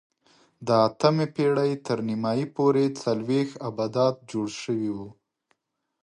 د اتمې پېړۍ تر نیمايي پورې څلوېښت ابدات جوړ شوي وو.